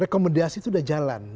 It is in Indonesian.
rekomendasi itu udah jalan